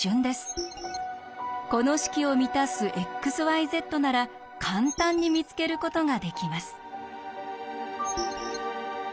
この式を満たすｘｙｚなら簡単に見つけることができます。